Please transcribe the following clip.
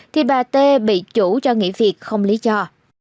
thì bà t bị chủ cho nghỉ việc không lý cho